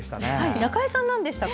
中江さん、なんでしたか？